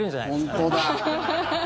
本当だ。